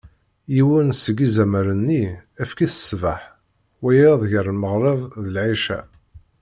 Yiwen seg izamaren-nni, efk-it ṣṣbeḥ, wayeḍ gar lmeɣreb d lɛica.